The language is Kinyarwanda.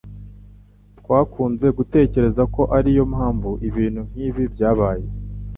Twakunze gutekereza ko ariyo mpamvu ibintu nkibi byabaye.